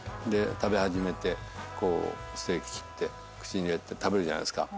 食べ始めてステーキ切って口に入れて食べるじゃないですか。